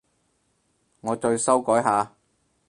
我再修改下